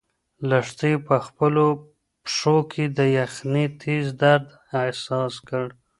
لښتې په خپلو پښو کې د یخنۍ تېز درد احساس کړ.